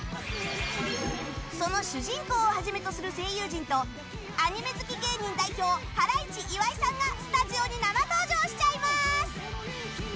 その主人公をはじめとする声優陣とアニメ好き芸人代表ハライチ、岩井さんがスタジオに生登場しちゃいます。